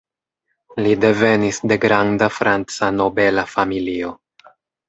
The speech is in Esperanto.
Li devenis de granda franca nobela familio.